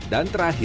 dan terakhir kusut